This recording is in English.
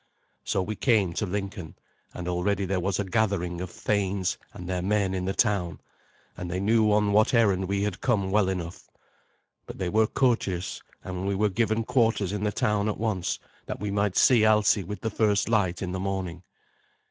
So we came to Lincoln, and already there was a gathering of thanes and their men in the town, and they knew on what errand we had come well enough. But they were courteous, and we were given quarters in the town at once, that we might see Alsi with the first light in the morning.